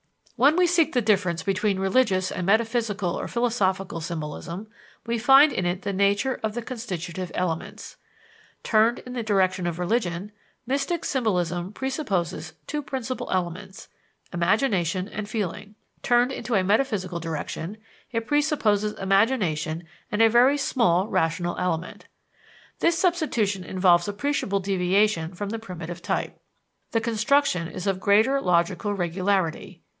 When we seek the difference between religious and metaphysical or philosophical symbolism, we find it in the nature of the constitutive elements. Turned in the direction of religion, mystic symbolism presupposes two principal elements imagination and feeling; turned in a metaphysical direction, it presupposes imagination and a very small rational element. This substitution involves appreciable deviation from the primitive type. The construction is of greater logical regularity.